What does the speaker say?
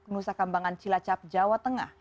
nusa kambangan cilacap jawa tengah